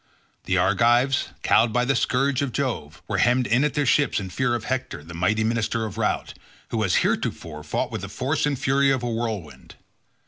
The Argives, cowed by the scourge of Jove, were hemmed in at their ships in fear of Hector the mighty minister of Rout, who as heretofore fought with the force and fury of a whirlwind.